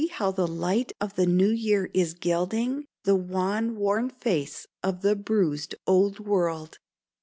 how the light of the New Year is gilding The wan, worn face of the bruised old world.